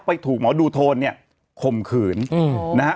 ถูกหมอดูโทนเนี่ยข่มขืนนะฮะ